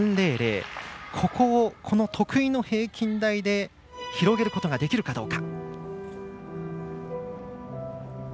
ここを得意の平均台で広げることができるかどうか。